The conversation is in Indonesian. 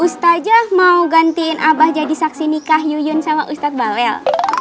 ustajah mau gantiin abah jadi saksi nikah yuyun sama ustadz balel